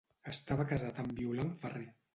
Estava casat amb Violant Ferrer.